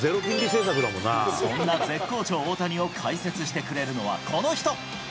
そんな絶好調、大谷を解説してくれるのは、この人。